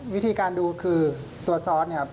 วิธีการดูคือตัวซอส